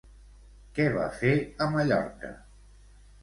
Què va fer a Mallorca?